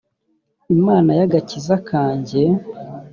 imana y agakiza kanjye